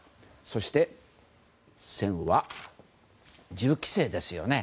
そして、「選」は銃規制ですよね。